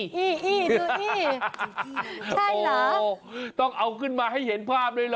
ใช่เหรอโอ้ต้องเอาขึ้นมาให้เห็นภาพด้วยเหรอ